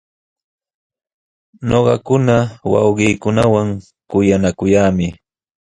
Ñuqakuna wawqiikunawan kuyanakuyaami.